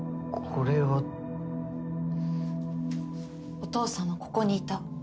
お父さんはここにいた。